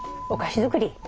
お菓子作り。